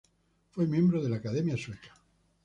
Fue miembro de la Academia Sueca.